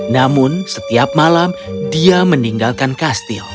namun setiap malam dia meninggalkan kastil